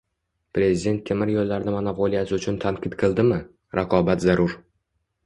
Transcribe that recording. Prezident temir yo'llarni monopoliyasi uchun tanqid qildimi? Raqobat zarur